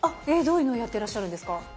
えどういうのをやってらっしゃるんですか？